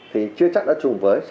thì chưa chắc đã chung với